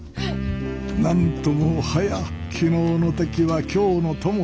なんともはや「昨日の敵は今日の友」ですか？